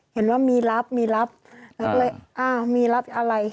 เห็นว่ามีรับมีรับเราก็เลยอ้าวมีรับอะไร